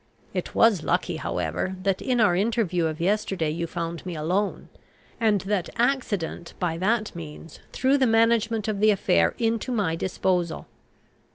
It was lucky, however, that in our interview of yesterday you found me alone, and that accident by that means threw the management of the affair into my disposal.